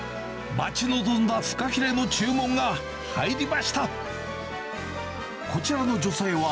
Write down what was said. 待ち望んだフカヒレの注文が入りました。